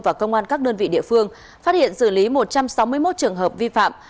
và công an các đơn vị địa phương phát hiện xử lý một trăm sáu mươi một trường hợp vi phạm